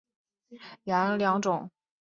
改编曲一般分为两种。